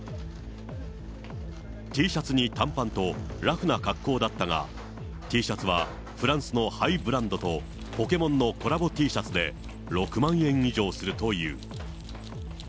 Ｔシャツに短パンと、ラフな格好だったが、Ｔシャツはフランスのハイブランドと、ポケモンのコラボＴシャツで、６万円以上するという。